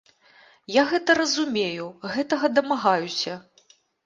Я гэта разумею, гэтага дамагаюся.